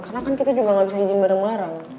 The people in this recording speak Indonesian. karena kan kita juga gak bisa izin bareng bareng